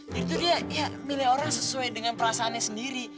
jadi dia ya milih orang sesuai dengan perasaannya sendiri